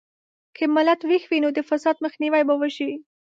که ملت ویښ وي، نو د فساد مخنیوی به وشي.